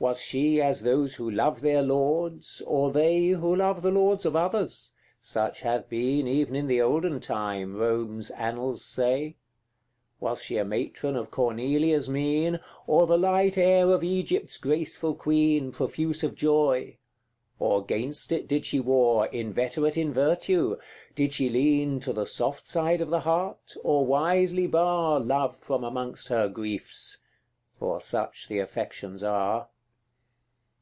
CI. Was she as those who love their lords, or they Who love the lords of others? such have been Even in the olden time, Rome's annals say. Was she a matron of Cornelia's mien, Or the light air of Egypt's graceful queen, Profuse of joy; or 'gainst it did she war, Inveterate in virtue? Did she lean To the soft side of the heart, or wisely bar Love from amongst her griefs? for such the affections are.